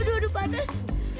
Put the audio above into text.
aduh aduh panas